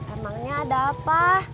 emangnya ada apa